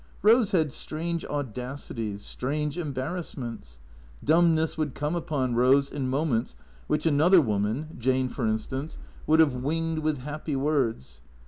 Eose had strange audacities, strange embarrassments. Dumbness would come upon Eose in mo ments which another woman, Jane for instance, would have winged with happy words.